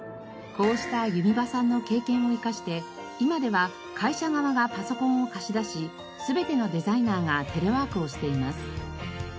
こうした弓場さんの経験を生かして今では会社側がパソコンを貸し出し全てのデザイナーがテレワークをしています。